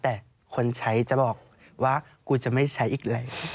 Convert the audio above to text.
แต่คนใช้จะบอกว่ากูจะไม่ใช้อีกเลย